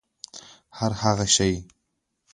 هرهغه شی